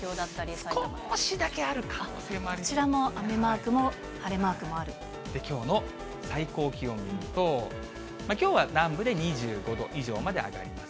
すこーしだけある可能性もあこちらも、雨マークも晴れマきょうの最高気温見ると、きょうは南部で２５度以上まで上がります。